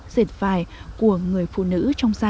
dệt vải của người phụ nữ trong nhà